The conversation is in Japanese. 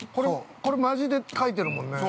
◆これマジで書いてるもんね。